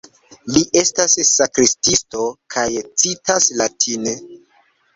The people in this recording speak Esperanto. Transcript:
Li estas sanskritisto kaj citas latine.